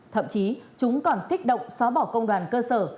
thậm chí chúng còn kích động xóa bỏ công đoàn cơ sở